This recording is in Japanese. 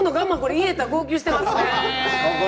家やったら号泣していますね。